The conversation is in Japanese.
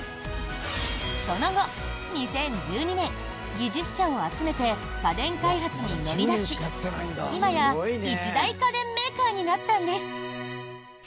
その後、２０１２年技術者を集めて家電開発に乗り出し今や、一大家電メーカーになったんです。